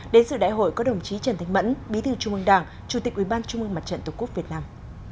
đến sự đại hội có đồng chí trần thánh mẫn bí thư trung ương đảng chủ tịch ủy ban trung ương mặt trận tổ quốc việt nam